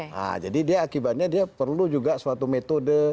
nah jadi dia akibatnya dia perlu juga suatu metode